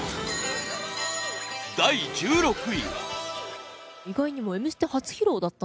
第１６位は。